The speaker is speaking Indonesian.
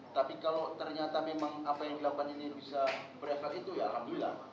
tapi kalau ternyata memang apa yang dilakukan ini bisa berefal itu ya alhamdulillah